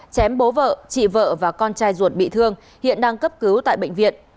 chém bố vợ chị vợ và con trai ruột bị thương hiện đang cấp cứu tại bệnh viện